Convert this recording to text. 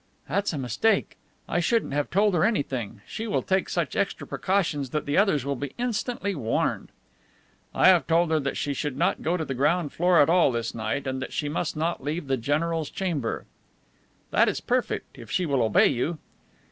"That's a mistake. I shouldn't have told her anything. She will take such extra precautions that the others will be instantly warned." "I have told her she should not go to the ground floor at all this night, and that she must not leave the general's chamber." "That is perfect, if she will obey you."